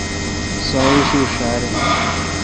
سو ا ایݭی ݭار ا۔ ین